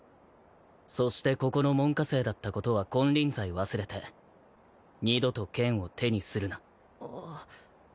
そしてここの門下生だったことは金輪際忘れて二度と剣を手にするな。